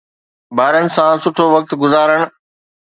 ٻارن سان سٺو وقت گذارڻ